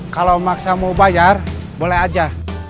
kalau maksa mau bayar boleh aja